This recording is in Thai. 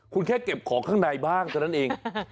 คุณแค่เก็บของข้างในบ้างเท่านั้นเอง